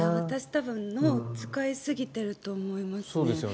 多分、私は脳を使いすぎていると思いますね。